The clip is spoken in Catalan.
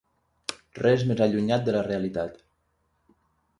Res més allunyat de la realitat.